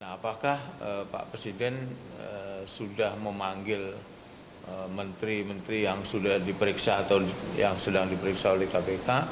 apakah pak presiden sudah memanggil menteri menteri yang sudah diperiksa atau yang sedang diperiksa oleh kpk